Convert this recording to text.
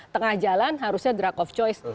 tengah jalan harusnya drug of choice